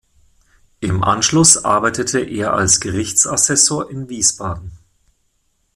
Im Anschluss arbeitete er als Gerichtsassessor in Wiesbaden.